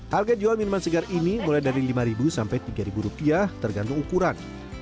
harga jual minuman segar ini mulai dari lima ribu sampai tiga ribu rupiah tergantung ukuran